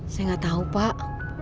saya gak tau pak